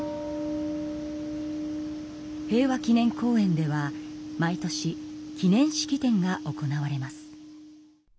平和記念公園では毎年記念式典が行われます。